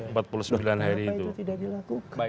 kenapa itu tidak dilakukan